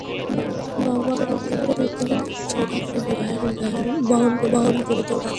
বাবার আদালতের উকিলের দল চাঁদা করে বিবাহের ব্যয় বহন করতেও রাজি।